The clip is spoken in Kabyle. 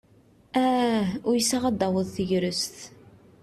Ah! Uysaɣ ad taweḍ tegrest.